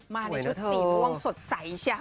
มาในชุดสีทวงสดใสแชะ